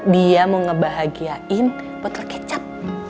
dia mau ngebahagiain puter kecap